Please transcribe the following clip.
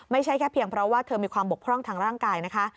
ไม่ใช่แค่เพียงเพราะว่าเธอมีความบกพร่องทางร่างกายนะคะ